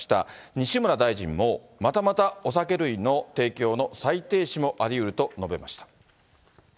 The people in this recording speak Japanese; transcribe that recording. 西村大臣も、またまたお酒類の提供の再停止もありうると述べました。